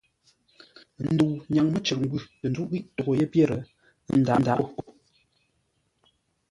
Ndəu nyaŋ mə́ cər ngwʉ̂ tə nzúʼ ghíʼ toghʼə́ yé pyêr, ə́ ndǎʼ ngô.